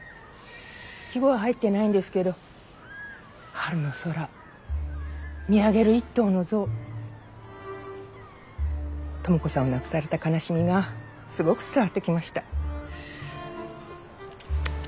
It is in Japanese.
季語は入ってないんですけど春の空見上げる一頭の象知子さんを亡くされた悲しみがすごく伝わってきました。